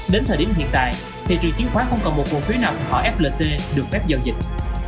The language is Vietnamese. đến thời điểm hiện tại thị trường chiến khóa không còn một cổ phiếu nào của họ flc được phép giao dịch